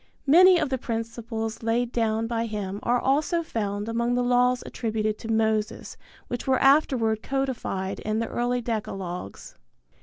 Many of the principles laid down by him are also found among the laws attributed to Moses which were afterward codified in the early decalogues.